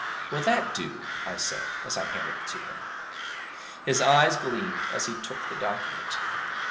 'Will that do?' I said as I handed it to him. His eyes gleamed as he took the document.